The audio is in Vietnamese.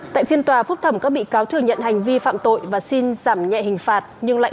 tại phiên tòa phúc thẩm các bị cáo thừa nhận hành vi phạm tội và xin giảm nhẹ hình phạt nhưng lại